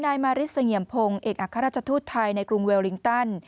นายมาริสเสงี่ยมพงศ์เอกอัครราชทูตไทยในกรุงเวลลิงตัน